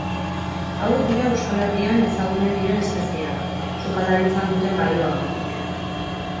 Hauek dira Euskal Herrian ezagunen diren espezieak, sukaldaritzan duten balioagatik.